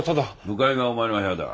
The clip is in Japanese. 向かいがお前の部屋だ。